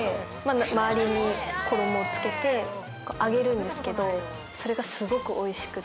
周りに衣を付けて揚げるんですけどそれがすごく美味しくて。